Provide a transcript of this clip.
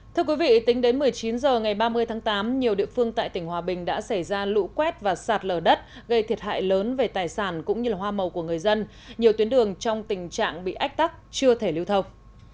thưa quý vị tính đến một mươi chín h ngày ba mươi tháng tám nhiều địa phương tại tỉnh hòa bình đã xảy ra lũ quét và sạt lở đất gây thiệt hại lớn về tài sản cũng như hoa màu của người dân nhiều tuyến đường trong tình trạng bị ách tắc chưa thể lưu thông